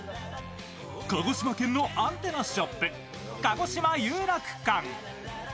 鹿児島県のアンテナショップ、かごしま遊楽館。